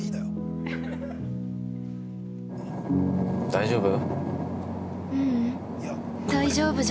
◆大丈夫？